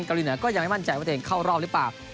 เกาหลีเหนือก็ยังไม่มั่นใจว่าตัวเองเข้ารอบหรือเปล่า